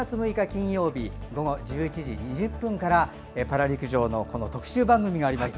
金曜日午後１１時２０分からパラ陸上の特別番組があります。